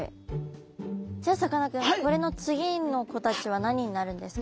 じゃあさかなクンこれの次の子たちは何になるんですか？